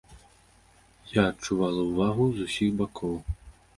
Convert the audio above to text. Я адчувала ўвагу з усіх бакоў!